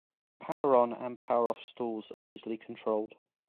Power-on and power-off stalls are easily controlled.